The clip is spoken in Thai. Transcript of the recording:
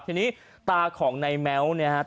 ทีนี้ตาของในแม้วเนี่ยครับ